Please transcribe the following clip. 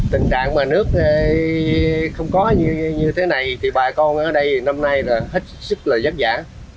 tình trạng mà nước không có như thế này thì bà con ở đây năm nay là hết sức là vất vả